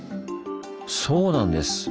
そうなんです。